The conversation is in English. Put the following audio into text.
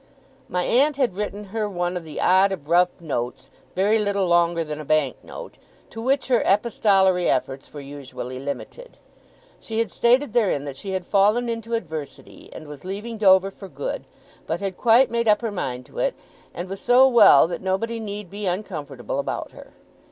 My aunt had written her one of the odd, abrupt notes very little longer than a Bank note to which her epistolary efforts were usually limited. She had stated therein that she had fallen into adversity, and was leaving Dover for good, but had quite made up her mind to it, and was so well that nobody need be uncomfortable about her.